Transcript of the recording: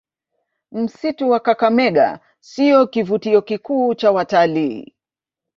Msitu wa Kakamega siyo kivutio kikuu cha watalii